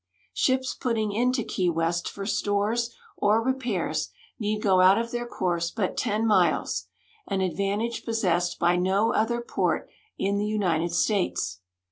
Ships putting into Key West for stores or rei)airs neetl go out of their course but 10 miles, an advantage possessed by no other port in the United States.